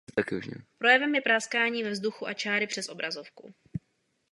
Projevem je praskání ve zvuku a čáry přes obrazovku.